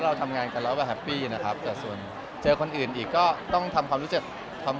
แสวได้ไงของเราก็เชียนนักอยู่ค่ะเป็นผู้ร่วมงานที่ดีมาก